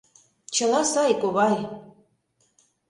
Чыла сай, ковай.